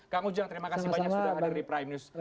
kang ujang terima kasih banyak sudah hadir di prime news